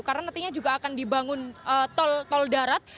karena nantinya juga akan dibangun tol tol darat